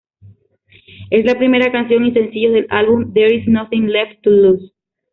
Es la primera canción y sencillo del álbum There Is Nothing Left to Lose.